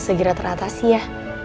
segera teratasi ya